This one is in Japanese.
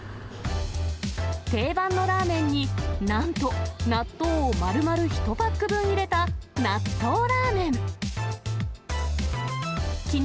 定番のラーメンに、なんと、納豆をまるまる１パック分入れた納豆ラーメン。